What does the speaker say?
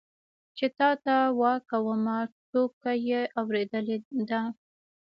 چې ته وا کومه ټوکه يې اورېدلې ده.